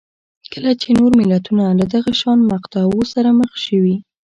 کله چې نور ملتونه له دغه شان مقطعو سره مخ شوي